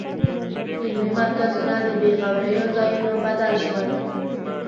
علمي مرکزونه د بېغوریو ځایونو بدل شول.